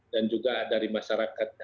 dan juga dari masyarakat